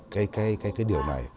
cái điều này